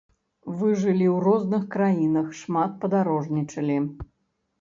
Вы жылі ў розных краінах, шмат падарожнічалі.